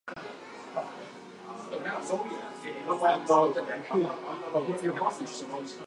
Mary promised that by the following day she would have the task done.